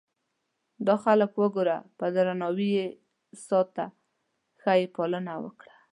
دا خلک وګوره په درناوي یې ساته ښه یې پالنه وکړه.